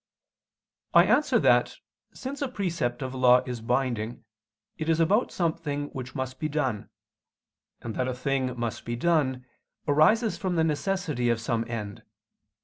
I answer that, Since a precept of law is binding, it is about something which must be done: and, that a thing must be done, arises from the necessity of some end.